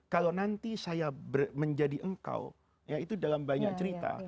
kalau nanti saya menjadi engkau ya itu dalam banyak cerita